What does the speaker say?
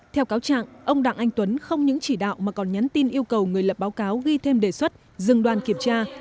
theo cáo trạng ông đặng anh tuấn không những chỉ đạo mà còn nhắn tin yêu cầu người lập báo cáo ghi thêm đề xuất dừng đoàn kiểm tra